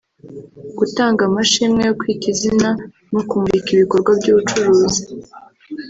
gutanga amashimwe yo kwita izina no kumurika ibikorwa by’ubucuruzi